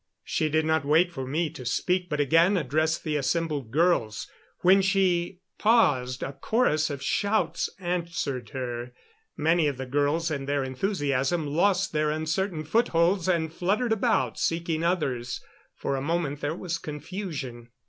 She did not wait for me to speak, but again addressed the assembled girls. When she paused a chorus of shouts answered her. Many of the girls in their enthusiasm lost their uncertain footholds and fluttered about, seeking others. For a moment there was confusion.